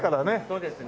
そうですね。